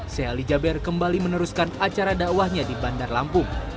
sheikh ali jaber kembali meneruskan acara dakwahnya di bandar lampung